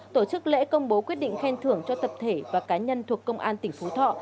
tổ chức lễ công bố quyết định khen thưởng cho tập thể và cá nhân thuộc công an tỉnh phú thọ